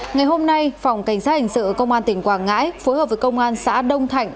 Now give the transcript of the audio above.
ngày hôm nay phòng cảnh sát hình sự công an tỉnh quảng ngãi phối hợp với công an xã đông thạnh